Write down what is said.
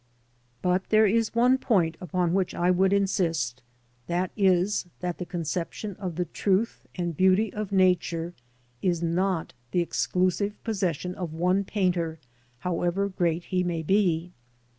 But there is one point upon which I would insist — ^that is, that the conception of the truth and beauty of Nature is not the exclu sive possession of one painter, however great he may be.